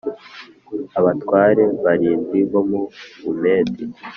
Abatware barindwi bo mu Bumedi